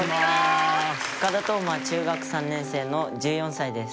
深田登真中学３年生の１４歳です。